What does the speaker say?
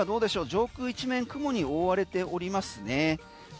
上空一面雲に覆われておりますね。